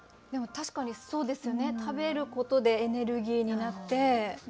でも確かにそうですよね食べることでエネルギーになって。